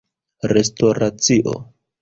restoracio